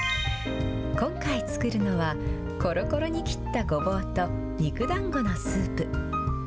今回作るのは、コロコロに切ったごぼうと肉だんごのスープ。